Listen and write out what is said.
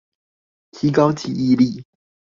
提高記憶力